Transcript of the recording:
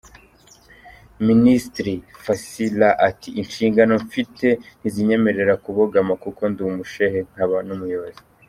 Minisitiri Fazila ati “Inshingano mfite ntizinyemera kubogama kuko ndi Umushehe nkaba n’Umuyobozi.